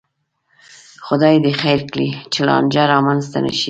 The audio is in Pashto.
خدای دې خیر کړي، چې لانجه را منځته نشي